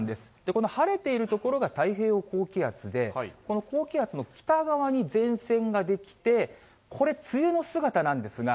この晴れている所が太平洋高気圧で、この高気圧の北側に前線が出来て、これ、梅雨の姿なんですが、